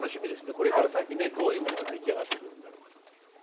これから先ねどういうものが出来上がってくるんだろうかと思います。